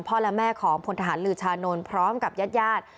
และแม่ของพลทหารลือชานนท์พร้อมกับญาติญาติ